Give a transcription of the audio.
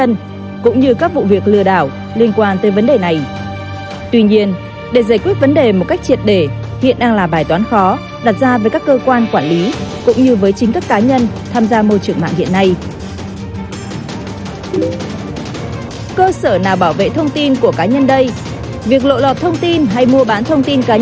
người đảo qua mạng hiện nay chủ yếu do bị lộ thông tin cá nhân